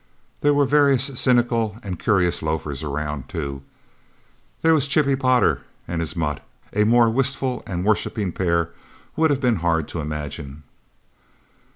There were various cynical and curious loafers around, too. There were Chippie Potter and his mutt a more wistful and worshipping pair would have been hard to imagine.